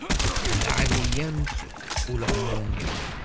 D lɛali-yam-t ulaɣmu-nni.